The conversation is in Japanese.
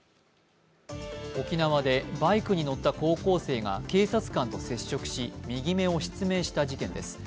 沖縄でバイクに乗った高校生が警察官と接触し右目を失明した事件です。